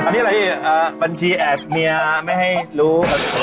อันนี้อะไรบัญชีแอบเมียไม่ให้รู้